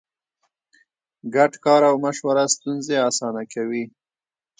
ګډ کار او مشوره ستونزې اسانه کوي.